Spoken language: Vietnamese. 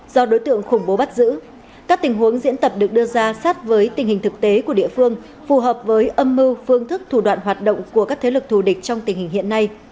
do đối tượng khủng bố bắt giữ các tình huống diễn tập được đưa ra sát với tình hình thực tế của địa phương phù hợp với âm mưu phương thức thủ đoạn hoạt động của các thế lực thù địch trong tình hình hiện nay